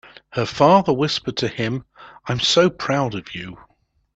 Her father whispered to him, "I am so proud of you!"